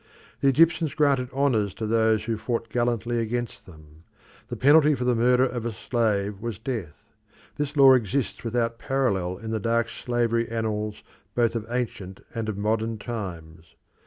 The Egyptians granted honours to those who fought gallantly against them. The penalty for the murder of a slave was death; this law exists without parallel in the dark slavery annals both of ancient and of modern times.